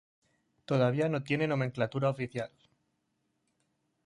Todavía no tiene nomenclatura oficial.